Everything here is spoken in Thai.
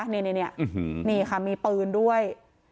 นี่นี่ค่ะมีปืนด้วย